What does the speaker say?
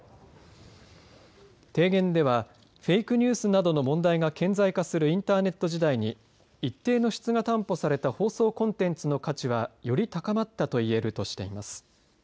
提言ではフェイクニュースなどの問題が顕在化するインターネット時代に一定の質が担保された放送コンテンツの価値はより高まったと言えるとしています。